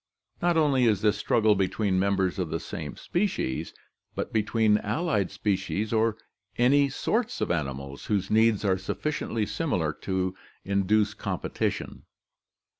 Not only is this struggle between members of the same species, but between allied species or any sorts of animals whose needs are sufficiently similar to induce competition.